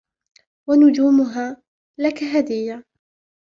ونجومها لك هديّة.